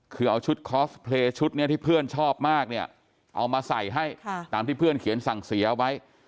เพลชุดเนี่ยที่เพื่อนชอบมากเนี่ยเอามาใส่ให้ตามที่เพื่อนเขียนสั่งเสียไว้